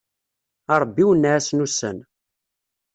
A Ṛebbi wenneɛ-asen ussan.